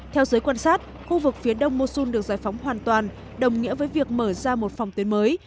theo giới quan sát khu vực phía đông mosun được giải phóng hoàn toàn đồng nghĩa với việc mở ra một phòng tuyến mới